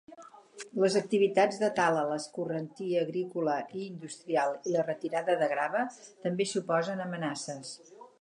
Les activitats de tala, l'escorrentia agrícola i industrial i la retirada de grava també suposen amenaces.